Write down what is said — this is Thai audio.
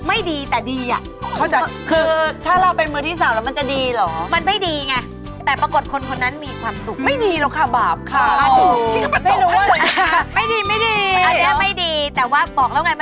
อ่าวไม่เอาดิ